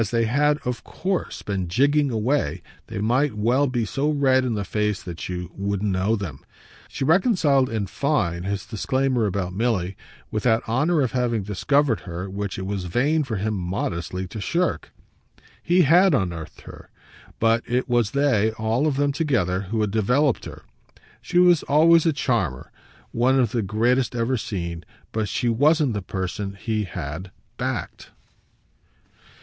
As they had OF COURSE been jigging away they might well be so red in the face that you wouldn't know them. She reconciled in fine his disclaimer about Milly with that honour of having discovered her which it was vain for him modestly to shirk. He HAD unearthed her, but it was they, all of them together, who had developed her. She was always a charmer, one of the greatest ever seen, but she wasn't the person he had "backed."